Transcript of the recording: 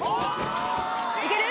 いける？